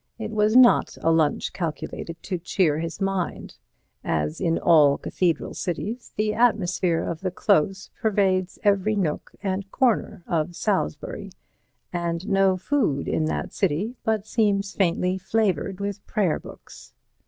It was not a lunch calculated to cheer his mind; as in all Cathedral cities, the atmosphere of the Close pervades every nook and corner of Salisbury, and no food in that city but seems faintly flavoured with prayer books.